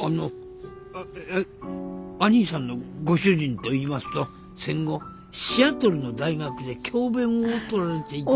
あのえアニーさんのご主人といいますと戦後シアトルの大学で教べんをとられていた。